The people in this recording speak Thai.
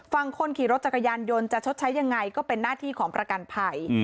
ฝั่งคนขี่รถจักรยานยนต์จะชดใช้ยังไงก็เป็นหน้าที่ของประกันภัย